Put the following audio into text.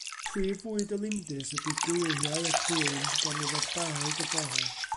Prif fwyd y lindys ydy gweiriau a brwyn, gan yfed barrug y bore.